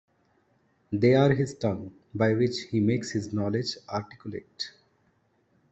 They are his tongue, by which he makes his knowledge articulate.